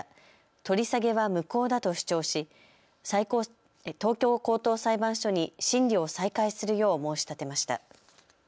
取り下げは無効だと主張し東京高等裁判所に審理を再開するよう申し立てました。